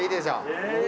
へえ！